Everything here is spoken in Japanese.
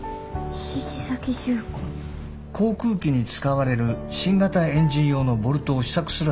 航空機に使われる新型エンジン用のボルトを試作する話が来ています。